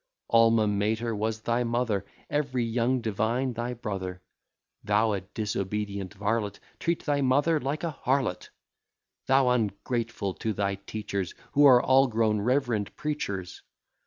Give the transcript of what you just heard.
Alma Mater was thy mother, Every young divine thy brother. Thou, a disobedient varlet, Treat thy mother like a harlot! Thou ungrateful to thy teachers, Who are all grown reverend preachers!